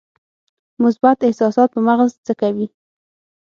مثبت احساسات په مغز څه کوي؟